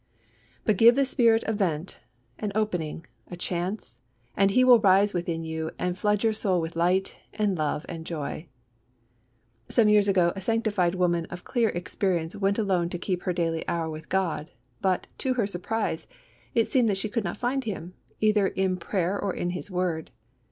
But give the Spirit a vent, an opening, a chance, and He will rise within you and flood your soul with light and love and joy. Some years ago a sanctified woman of clear experience went alone to keep her daily hour with God; but, to her surprise, it seemed that she could not find Him, either in prayer or in His word.